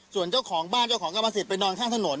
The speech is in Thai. ส่วนเจ้าของบ้านเจ้าของกรรมสิทธิไปนอนข้างถนน